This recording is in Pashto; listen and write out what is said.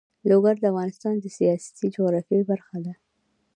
لوگر د افغانستان د سیاسي جغرافیه برخه ده.